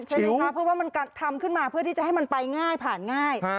ใช่ไหมคะเพราะว่ามันทำขึ้นมาเพื่อที่จะให้มันไปง่ายผ่านง่าย